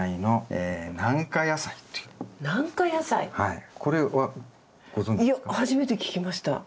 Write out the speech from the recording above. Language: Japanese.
いや初めて聞きました。